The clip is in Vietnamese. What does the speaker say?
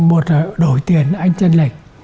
một là đổi tiền anh chân lệch